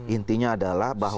intinya adalah bahwa